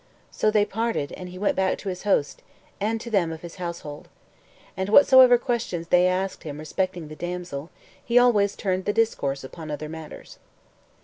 So they parted, and he went back to his hosts, and to them of his household. And whatsoever questions they asked him respecting the damsel, he always turned the discourse upon other matters.